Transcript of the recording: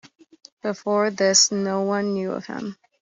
Before this no one knew of him.